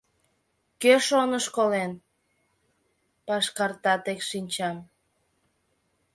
Кӧ шоныш «колен» — пашкарта тек шинчам.